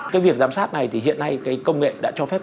cái việc giám sát này thì hiện nay cái công nghệ đã cho phép